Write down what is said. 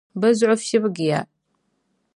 Bɛ zuɣu fibgiya.